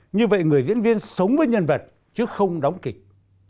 như vậy người diễn viên sống với nhân vật chứ không đóng kịch